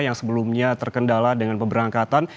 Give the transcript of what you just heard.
yang sebelumnya terkendala dengan pemberangkatan